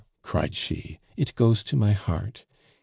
cried she, "it goes to my heart.